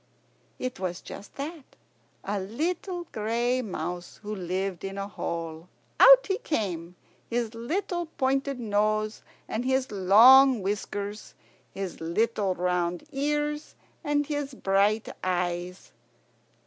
It was just that, a little gray mouse who lived in a hole. Out he came, his little pointed nose and his long whiskers, his little round ears and his bright eyes.